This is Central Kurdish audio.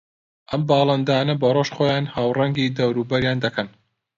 ئەم باڵندانە بە ڕۆژ خۆیان ھاوڕەنگی دەوروبەریان دەکەن